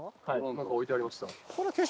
何か置いてありました。